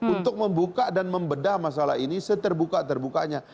untuk membuka dan membedah masalah ini seterbuka terbukanya